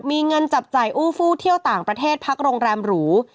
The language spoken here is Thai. มีเงินจับจ่ายอู้ฟู้เที่ยวต่างประเทศพักโรงแรมหรู